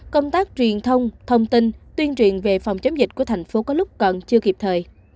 công tác truyền thông thông tin tuyên truyền về phòng chống dịch của thành phố có lúc còn chưa kịp thời